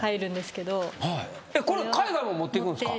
これ海外も持っていくんですか？